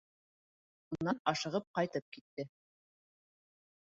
Унан ашығып ҡайтып китте.